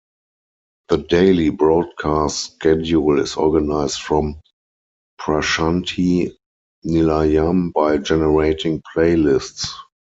The daily broadcast schedule is organized from Prashanthi Nilayam by generating playlists.